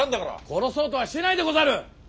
殺そうとはしてないでござる！